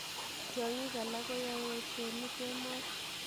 Tiongik alak ko yae boishonik kemoi